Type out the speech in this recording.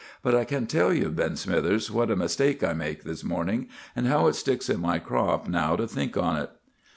But I can tell you, Ben Smithers, what a mistake I made this morning, an' how it sticks in my crop now to think on it.